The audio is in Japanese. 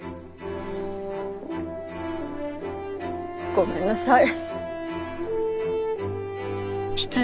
ごめんなさい。